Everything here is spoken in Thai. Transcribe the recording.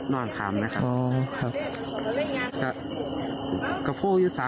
ง่าย